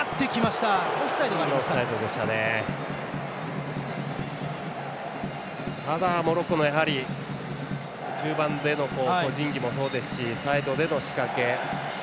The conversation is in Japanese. ただ、モロッコも中盤での個人技もそうですしサイドでの仕掛け。